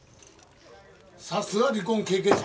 さすが離婚経験者。